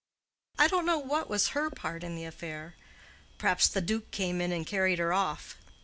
I don't know what was her part in the affair. Perhaps the duke came in and carried her off.